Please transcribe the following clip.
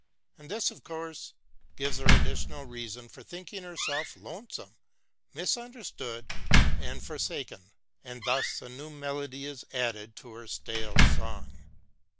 And this, of course, gives her additional reason for think ing herself lonesome, misunderstood, and for saken, and thus a new melody is added to her stale song.